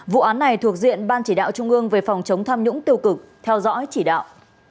vụ án này thuộc diện ban chỉ đạo trung ương về phòng chống tham nhũng tiêu cực theo dõi chỉ đạo